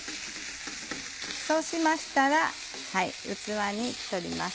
そうしましたら器に取ります。